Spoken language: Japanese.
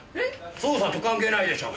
捜査と関係ないでしょう。